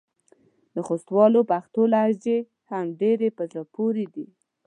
د خوستوالو پښتو لهجې هم ډېرې په زړه پورې دي.